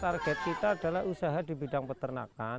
target kita adalah usaha di bidang peternakan